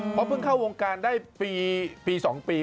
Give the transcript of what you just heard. เพราะเพิ่งเข้าวงการได้ปี๒ปี